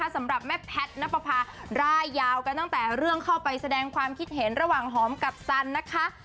สำหรับแม่แพทย์นับประพาร่ายยาวกันตั้งแต่เรื่องเข้าไปแสดงความคิดเห็นระหว่างหอมกับสันนะคะ